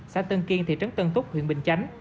xã tân kiên thị trấn tân túc huyện bình chánh